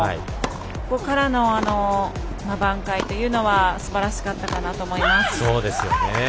ここからの挽回というのはすばらしかったと思います。